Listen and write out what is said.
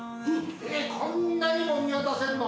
こんなにも見渡せんの！？